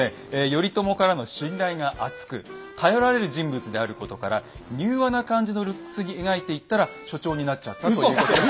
頼朝からの信頼が厚く頼られる人物であることから柔和な感じのルックスに描いていったら所長になっちゃったということで。